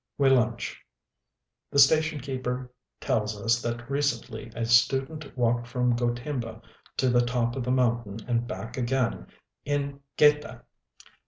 We lunch.... The station keeper tells us that recently a student walked from Gotemba to the top of the mountain and back again in geta!